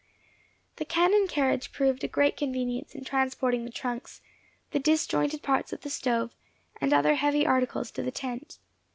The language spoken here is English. The cannon carriage proved a great convenience in transporting the trunks, the disjointed parts of the stove, and other heavy articles to the tent.